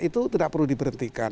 itu tidak perlu diberhentikan